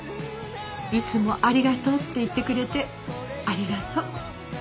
いつもありがとうって言ってくれてありがとう。